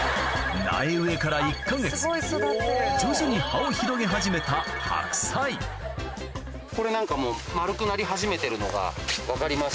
苗植えから１か月徐々に葉を広げ始めた白菜これなんかもう丸くなり始めてるのが分かります。